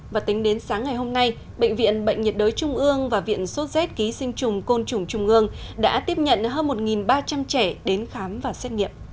và tính đến sáng ngày hôm nay bệnh viện bệnh nhiệt đới trung ương và viện sốt z ký sinh trùng côn trùng trung ương đã tiếp nhận hơn một ba trăm linh trẻ đến khám và xét nghiệm